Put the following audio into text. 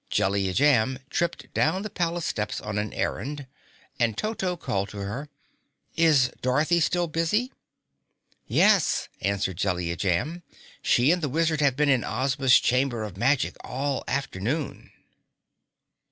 Jellia Jamb tripped down the palace steps on an errand, and Toto called to her, "Is Dorothy still busy?" "Yes," answered Jellia Jamb, "she and the Wizard have been in Ozma's Chamber of Magic all afternoon."